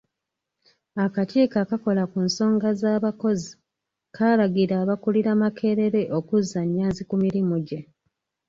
Akakiiko akakola ku nsonga z'abakozi kaalagira abakulira Makerere okuzza Nyanzi ku mirimu gye.